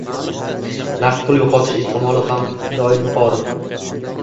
Naqd pul yo'qotish ehtimoli har doim yuqori